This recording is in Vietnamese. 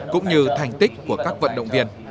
cũng như thành tích của các vận động viên